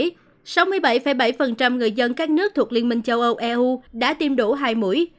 trong lúc này sáu mươi bảy bảy người dân các nước thuộc liên minh châu âu eu đã tiêm đủ hai mũi